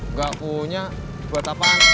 nggak punya buat apaan